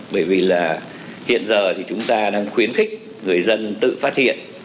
bởi vì là hiện giờ thì chúng ta đang khuyến khích người dân tự phát hiện